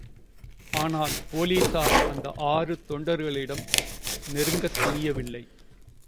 ஆனால் போலிஸார் அந்த ஆறு தொண்டர்களிடம் நெருங்கத்துணியவில்லை.